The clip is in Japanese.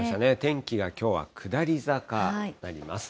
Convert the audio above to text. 天気がきょうは下り坂になります。